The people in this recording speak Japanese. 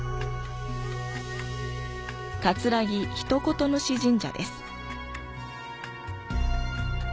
葛城一言主神社です。